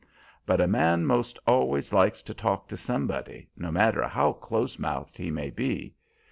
But a man most always likes to talk to somebody, no matter how close mouthed he may be.